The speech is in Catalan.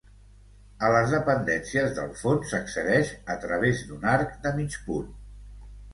A les dependències del fons s'accedeix a través d'un arc de mig punt.